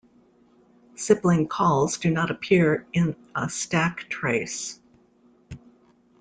Sibling calls do not appear in a stack trace.